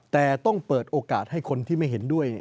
แต่ต้องเปิดโอกาสให้คนที่ไม่เห็นด้วย